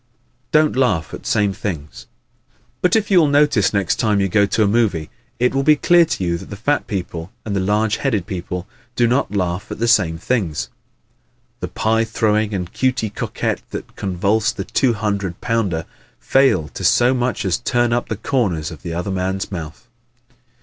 Don't Laugh at Same Things ¶ But if you will notice next time you go to a movie it will be clear to you that the fat people and the large headed people do not laugh at the same things. The pie throwing and Cutey Coquette that convulse the two hundred pounder fail to so much as turn up the corners of the other man's mouth.